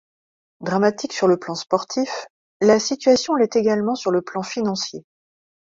Dramatique sur le plan sportif, la situation l'est également sur le plan financier.